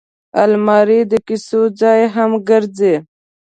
الماري د کیسو ځای هم ګرځي